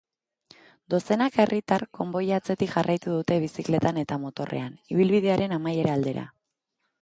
Dozenaka herritar konboia atzetik jarraitu dute bizikletan eta motorrean, ibilbidearen amaiera aldera.